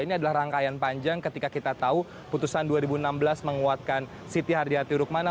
ini adalah rangkaian panjang ketika kita tahu putusan dua ribu enam belas menguatkan siti haryati rukmana